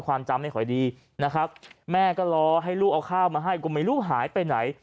ความจำไม่ค่อยดีนะครับแม่ก็รอให้ลูกเอาข้าวมาให้ก็ไม่รู้หายไปไหน